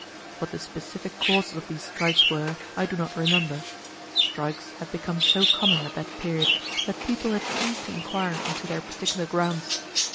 What the specific causes of these strikes were I do not remember. Strikes had become so common at that period that people had ceased to inquire into their particular grounds.